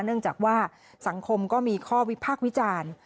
เนื่องจากว่าสังคมก็มีข้อวิพากษ์วิจารณ์